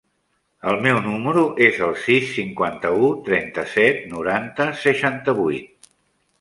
El meu número es el sis, cinquanta-u, trenta-set, noranta, seixanta-vuit.